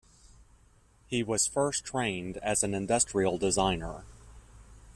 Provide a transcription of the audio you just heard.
He was first trained as an industrial designer.